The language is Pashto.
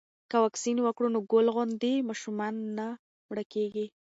که واکسین وکړو نو ګل غوندې ماشومان نه مړه کیږي.